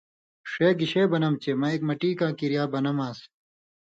ݜے گِشےۡ بنم چےۡ مہ ایک مٹی کاں کریا بنم آن٘س۔